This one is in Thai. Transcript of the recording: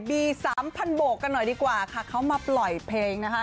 สามพันโบกกันหน่อยดีกว่าค่ะเขามาปล่อยเพลงนะคะ